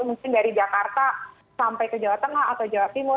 mungkin dari jakarta sampai ke jawa tengah atau jawa timur